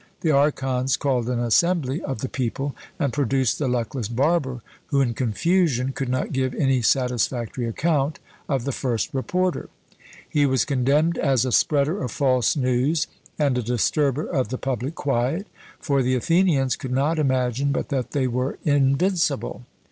The Archons called an assembly of the people, and produced the luckless barber, who in confusion could not give any satisfactory account of the first reporter. He was condemned as a spreader of false news, and a disturber of the public quiet; for the Athenians could not imagine but that they were invincible!